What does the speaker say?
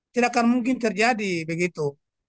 tidak akan mungkin terjadi begitu